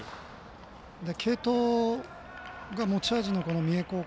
継投が持ち味の三重高校。